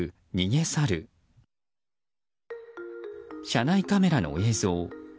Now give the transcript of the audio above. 車内カメラの映像。